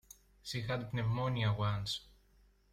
She had pneumonia once.